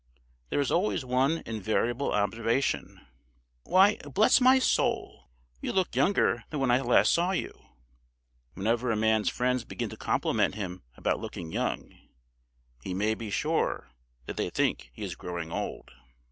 There is always one invariable observation, "Why, bless my soul! you look younger than when last I saw you!" Whenever a man's friends begin to compliment him about looking young, he may be sure that they think he is growing old.